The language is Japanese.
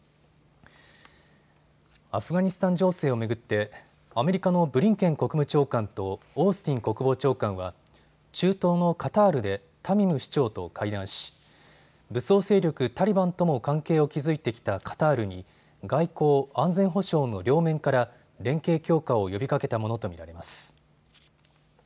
アフガニスタン情勢を巡って、アメリカのブリンケン国務長官とオースティン国防長官は中東のカタールでタミム首長と会談し武装勢力タリバンとも関係を築いてきたカタールに外交・安全保障の両面から連携強化を呼びかけたものと見られます。